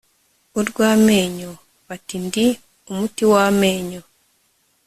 urw'amenyo bati ndi umuti w'amenyo